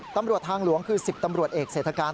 ตำรวจทางหลวงคือ๑๐ตำรวจเอกเศรษฐการ